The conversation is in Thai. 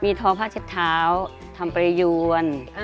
มีทอพาเฉทาวทำประยวน